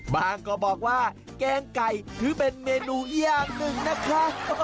ก็บอกว่าแกงไก่ถือเป็นเมนูอย่างหนึ่งนะคะ